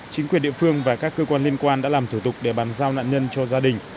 chính quyền địa phương và các cơ quan liên quan đã làm thủ tục để bàn giao nạn nhân cho gia đình